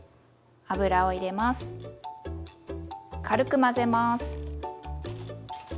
軽く混ぜます。